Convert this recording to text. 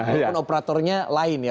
walaupun operatornya lain ya